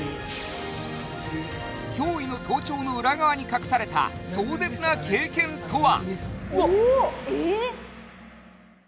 驚異の登頂の裏側に隠された壮絶な経験とは？